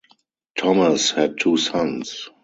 Thomas had two sons.